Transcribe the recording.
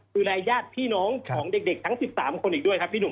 ดูแลญาติพี่น้องของเด็กทั้ง๑๓คนอีกด้วยครับพี่หนุ่ม